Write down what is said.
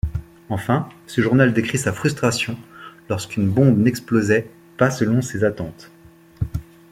Enfin, ce journal décrit sa frustration lorsqu'une bombe n'explosait pas selon ses attentes.